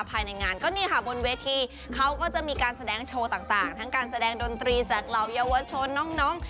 ภายในงานก็นี่ค่ะบนเวทีเขาก็จะมีการแสดงโชว์ต่างทั้งการแสดงดนตรีจากเหล่าเยาวชนน้อง